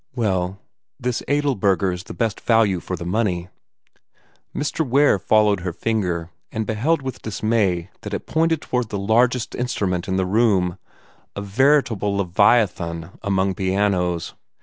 "Well, this Adelberger is the best value for the money." Mr. Ware followed her finger, and beheld with dismay that it pointed toward the largest instrument in the room a veritable leviathan among pianos.